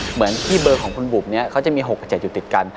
เหมือนที่เบอร์ของคุณบุ๊บจะมี๖๗อยู่ติดกัน